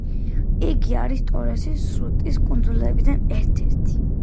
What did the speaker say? იგი არის ტორესის სრუტის კუნძულებიდან ერთ-ერთი.